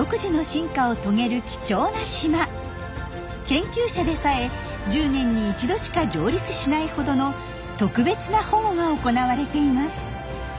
研究者でさえ１０年に１度しか上陸しないほどの特別な保護が行われています。